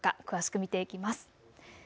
詳しく見ていきます。